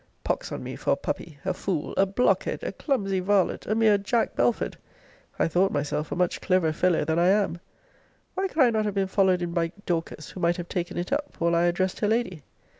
Pox on me for a puppy, a fool, a blockhead, a clumsy varlet, a mere Jack Belford! I thought myself a much cleverer fellow than I am! Why could I not have been followed in by Dorcas, who might have taken it up, while I addressed her lady?